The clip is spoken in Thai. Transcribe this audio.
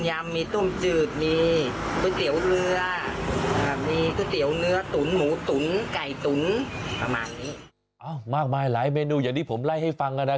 อ้าวมากมายหลายเมนูอย่างที่ผมไล่ให้ฟังนะครับ